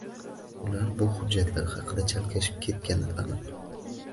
Ular bu hujjatlar haqida chalkashib ketgani aniq.